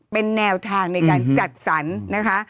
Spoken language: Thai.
เป็นแนวทางในการจัดสรรนะคะ